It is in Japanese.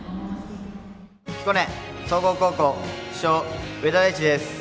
彦根総合高校主将・上田大地です。